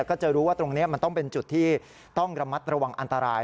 ก็จะรู้ว่าตรงนี้มันต้องเป็นจุดที่ต้องระมัดระวังอันตราย